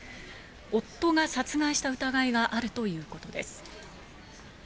夫が殺害した疑いがあるということです。